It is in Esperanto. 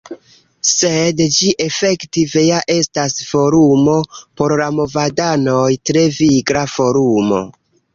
Sed ĝi efektive ja estas forumo por la movadanoj; tre vigla forumo.